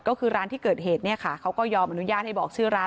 ก็คือร้านที่เกิดเหตุเนี่ยค่ะเขาก็ยอมอนุญาตให้บอกชื่อร้าน